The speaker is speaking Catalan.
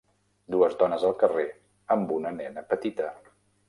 Dues dones al carrer amb una nena petita.